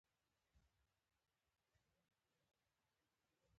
ښه نیت د ښو خلکو عادت وي.